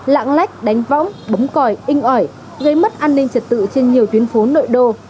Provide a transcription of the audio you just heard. lạng lách đánh võng bấm còi inh ỏi gây mất an ninh trật tự trên nhiều tuyến phố nội đô